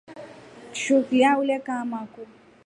Kishu Kilya ule kama kuu.